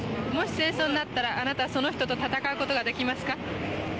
もし戦争になったらあなたその人と戦うことができますか？